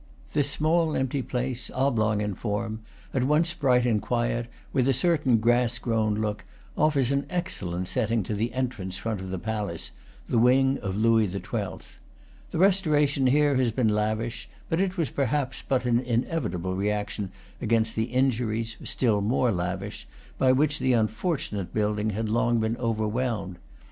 This small, empty place, oblong in form, at once bright and quiet, with a cer tain grass grown look, offers an excellent setting to the entrance front of the palace, the wing of Louis XII. The restoration here has been lavish; but it was per haps but an inevitable reaction against the injuries, still more lavish, by which the unfortunate building had long been overwhelmed.